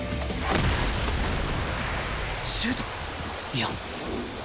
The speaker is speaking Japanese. いや